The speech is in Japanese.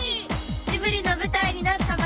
ジブリの舞台になった場所。